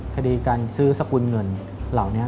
คดีการซื้อสกุลเงินเหล่านี้